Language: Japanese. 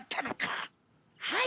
はい！